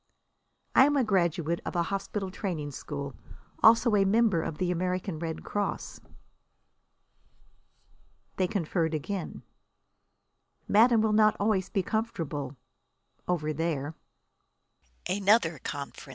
"I am a graduate of a hospital training school. Also a member of the American Red Cross." They conferred again. "Madame will not always be comfortable over there."